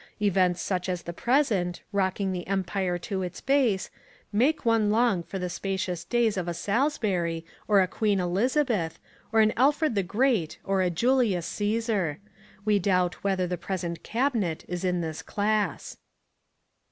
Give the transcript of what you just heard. Events such as the present, rocking the Empire to its base, make one long for the spacious days of a Salisbury or a Queen Elizabeth, or an Alfred the Great or a Julius Caesar. We doubt whether the present Cabinet is in this class."